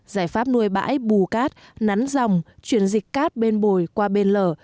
giải pháp nuôi bãi bù cát nắn dòng chuyển dịch cát bên bồi qua bên lở